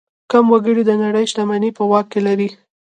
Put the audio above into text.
کم وګړي د نړۍ شتمني په واک لري.